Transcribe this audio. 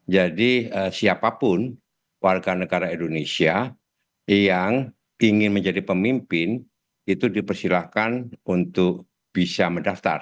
jadi siapapun warga negara indonesia yang ingin menjadi pemimpin itu dipersilahkan untuk bisa mendaftar